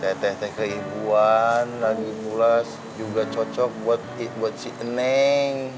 teteh teteh keibuan lagi mulas juga cocok buat si eneng